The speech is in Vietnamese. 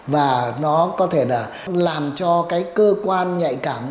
và nó có thể là làm cho cái cơ quan nhạy cảm